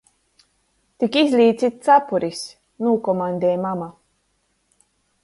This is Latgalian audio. "Tik izlīcit capuris!" nūkomaņdej mama.